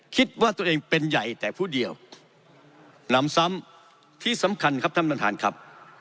คิดว่าตัวเองเป็นใหญ่แต่ผู้เดียวนำซ้ำที่สำคัญครับท่านประธานครับ